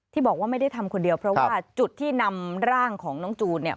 บอกว่าไม่ได้ทำคนเดียวเพราะว่าจุดที่นำร่างของน้องจูนเนี่ย